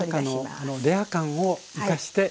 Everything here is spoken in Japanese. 中のレア感を生かして。